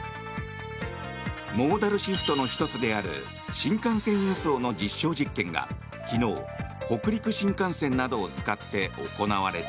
モーダルシフトの１つである新幹線輸送の実証実験が昨日、北陸新幹線などを使って行われた。